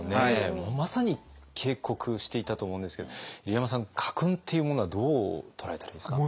まさに警告していたと思うんですけど入山さん家訓っていうものはどう捉えたらいいですか？